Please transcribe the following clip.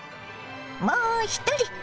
もう一人。